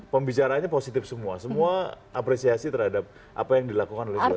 pembicaranya positif semua semua apresiasi terhadap apa yang dilakukan oleh siapa siapa